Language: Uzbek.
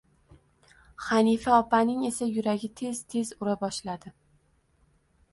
Hanifa opaning esa yuragi tez-tez ura boshladi